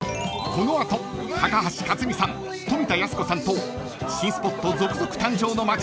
［この後高橋克実さん富田靖子さんと新スポット続々誕生の街